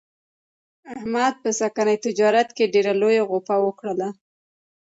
احمد په سږني تجارت کې ډېره لویه غوپه و خوړله.